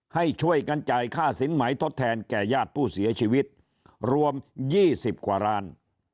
ให้ช่วยกันจ่ายค่าสินไหมทดแทนแก่ญาติผู้เสียชีวิตรวม๒๐กว่าล้าน